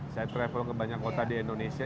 saya travel ke banyak kota di indonesia